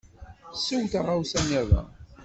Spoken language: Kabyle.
Sew taɣawsa niḍen.